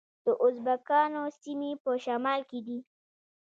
د ازبکانو سیمې په شمال کې دي